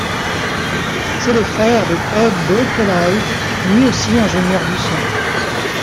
C'est le frère de Todd Boekelheide, lui aussi ingénieur du son.